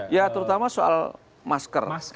ya terutama soal masker